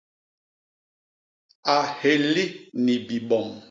A héli ni bibom.